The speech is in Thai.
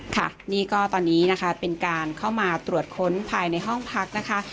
ค่ะนี่ก็ตอนนี้นะคะเป็นการเข้ามาตรวจค้นภายในห้องพักนะคะ